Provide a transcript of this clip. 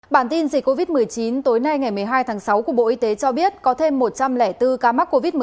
bản tin dịch covid một mươi chín tối nay ngày một mươi hai tháng sáu của bộ y tế cho biết có thêm một trăm linh bốn ca mắc covid một mươi chín